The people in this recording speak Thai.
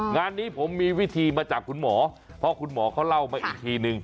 งานนี้ผมมีวิธีมาจากคุณหมอเพราะคุณหมอเขาเล่ามาอีกทีนึง